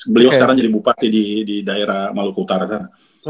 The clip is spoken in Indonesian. beliau sekarang jadi bupati di daerah maluku utara sana